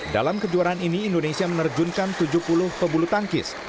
dalam kejuaraan ini indonesia menerjunkan tujuh puluh pebulu tangkis